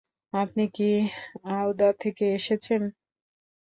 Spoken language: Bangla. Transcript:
আপনি কি আওধা থেকে এসেছেন?